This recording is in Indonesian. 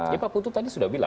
pak putu tadi sudah bilang